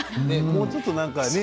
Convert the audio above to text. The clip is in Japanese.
もうちょっとなんかね